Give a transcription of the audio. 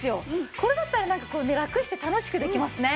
これだったらラクして楽しくできますね。